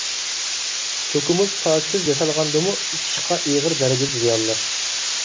چوكا مۇز پاكىز ياسالغاندىمۇ چىشقا ئېغىر دەرىجىدە زىيانلىق.